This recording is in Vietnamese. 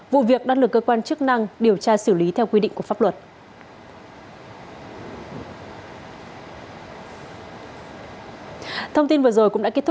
vụ việc đang được cơ quan chức năng điều tra xử lý theo quy định của pháp luật